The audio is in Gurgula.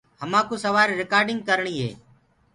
همآڪوُ سوآري رِڪآرڊيٚنگ ڪرڻي هي۔